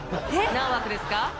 何枠ですか？